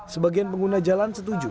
sebagian pengguna jalan setuju